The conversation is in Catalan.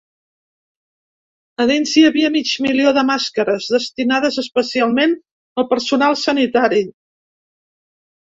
A dins hi havia mig milió de màscares, destinades especialment al personal sanitari.